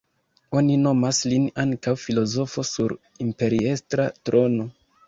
Oni nomas lin ankaŭ "filozofo sur imperiestra trono".